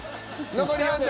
残り４８秒。